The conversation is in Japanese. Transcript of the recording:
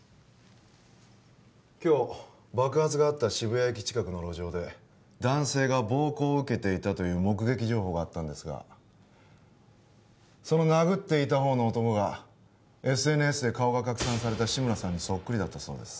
今日爆発があった渋谷駅近くの路上で男性が暴行を受けていたという目撃情報があったんですがその殴っていたほうの男がＳＮＳで顔が拡散された志村さんにそっくりだったそうです